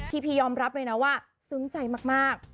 พียอมรับเลยนะว่าซึ้งใจมาก